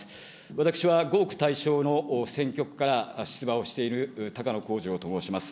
私は合区対象の選挙区から出馬をしている高野光二郎と申します。